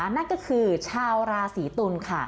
นั่นก็คือชาวราศีตุลค่ะ